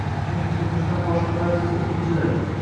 Chunki turmushdan boshqa barchasi o’tkinchidir.